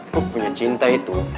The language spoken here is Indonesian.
kok punya cinta itu